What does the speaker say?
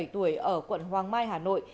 hai mươi bảy tuổi ở quận hoàng mai hà nội